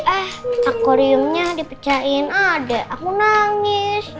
eh akoriumnya dipecahin adek aku nangis